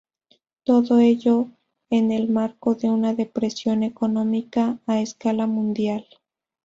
Todo ello en el marco de una depresión económica a escala mundial.